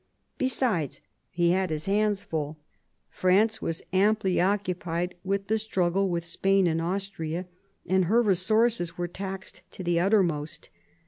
Besides, he had his hands full. France was amply occupied with the struggle with Spain and Austria, and her resources were taxed to the uttermost.